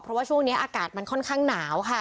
เพราะว่าช่วงนี้อากาศมันค่อนข้างหนาวค่ะ